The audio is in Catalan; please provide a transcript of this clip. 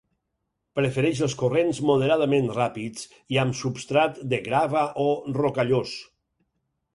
Prefereix els corrents moderadament ràpids i amb substrat de grava o rocallós.